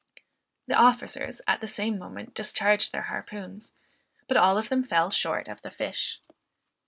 The officers at the same moment discharged their harpoons, but all of them fell short of the fish.